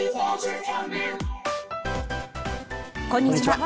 こんにちは。